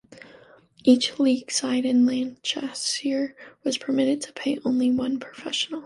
Each League side in Lancashire was permitted to pay only one professional.